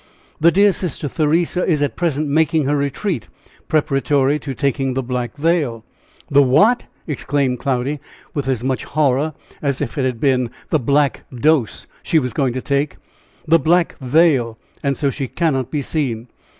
"The dear sister Theresa is at present making her retreat, preparatory to taking the black veil." "The what!" exclaimed Cloudy, with as much horror as if it had been the "black dose" she was going to take. "The black veil and so she cannot be seen."